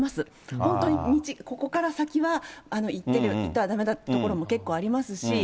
本当に道、ここから先は、行ってはだめだという所も結構ありますし。